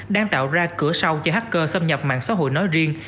đang tạo ra cửa sau cho hacker xâm nhập mạng xã hội nói riêng